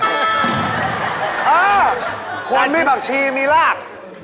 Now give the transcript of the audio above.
เอ้อควรไม่บาคชีมีลาก